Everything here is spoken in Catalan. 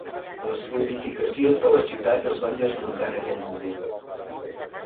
Les fortificacions de la ciutat es van desmuntar en aquell moment.